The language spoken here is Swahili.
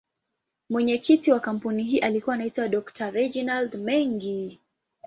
Mwenyekiti wa kampuni hii alikuwa anaitwa Dr.Reginald Mengi.